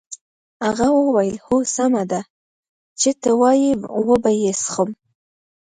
هغه وویل هو سمه ده چې ته وایې وبه یې څښم.